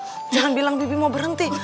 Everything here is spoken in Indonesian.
jangan bilang bibi mau berhenti